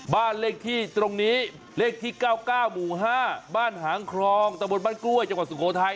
บ้านเลขที่ตรงนี้เลขที่๙๙หมู่๕บ้านหางครองตะบนบ้านกล้วยจังหวัดสุโขทัย